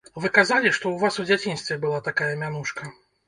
Вы казалі, што ў вас у дзяцінстве была такая мянушка.